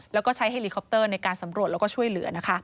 แล้วก็ใช้เฮลิคอปเตอร์ในการสำรวจแล้วก็ช่วยเหลือนะคะ